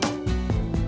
wah mas kevin